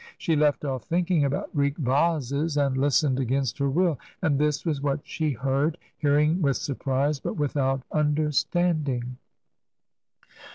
She left off thinking about Greek vases and listened TRANSITION. 19 against her will. And this was what she heard — hearing with surprise but without understanding.